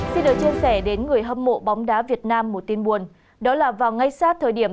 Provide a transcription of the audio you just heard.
xin được chia sẻ đến người hâm mộ bóng đá việt nam một tin buồn đó là vào ngay sát thời điểm